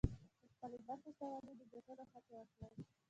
د خپلې برخې شتمني د ګټلو هڅه وکړئ.